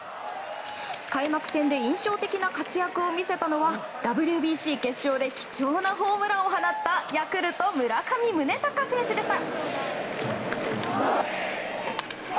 開幕戦で印象的な活躍を見せたのはＷＢＣ決勝で貴重なホームランを放ったヤクルト、村上宗隆選手でした。